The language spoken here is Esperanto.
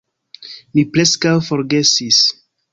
Mi preskaŭ forgesis